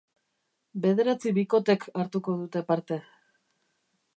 Bederatzi bikotek hartuko dute parte.